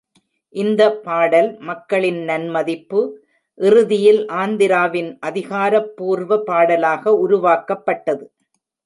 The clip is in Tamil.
இந்த பாடல் மக்களின் நன்மதிப்பு, இறுதியில் ஆந்திராவின் அதிகாரப்பூர்வ பாடலாக உருவாக்கப்பட்டது.